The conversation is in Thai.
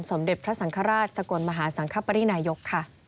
สมเด็จพระสังฆราชสกลมหาสังคปรินายกค่ะ